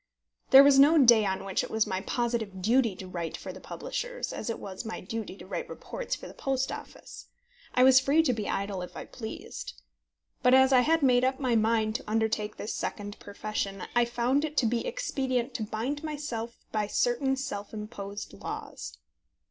There was no day on which it was my positive duty to write for the publishers, as it was my duty to write reports for the Post Office. I was free to be idle if I pleased. But as I had made up my mind to undertake this second profession, I found it to be expedient to bind myself by certain self imposed laws.